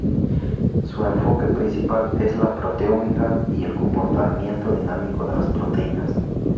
Su enfoque principal es la proteómica y el comportamiento dinámico de las proteínas.